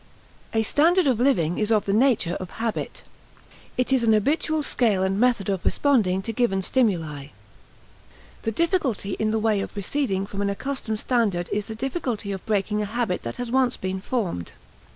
A standard of living is of the nature of habit. It is an habitual scale and method of responding to given stimuli. The difficulty in the way of receding from an accustomed standard is the difficulty of breaking a habit that has once been formed.